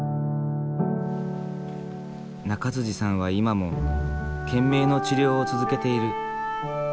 中さんは今も懸命の治療を続けている。